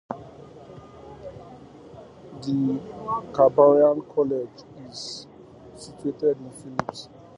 The Canberra College is situated in Phillip.